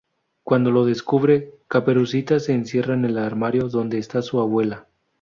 Cuando lo descubre, Caperucita se encierra en el armario, donde está su abuela.